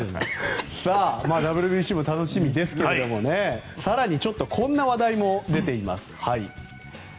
ＷＢＣも楽しみですけど更に、こんな話題も出ています。